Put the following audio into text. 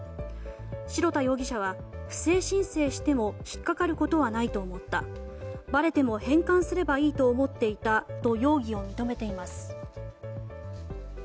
白田容疑者は不正申請しても引っかかることはないと思ったばれても返還すればいいと思っていたと容疑を認めています。